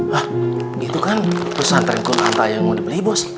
hah gitu kan pesantren kun anta yang mau dibeli bos